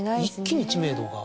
一気に知名度が。